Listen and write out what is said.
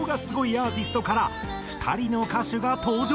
アーティストから２人の歌手が登場！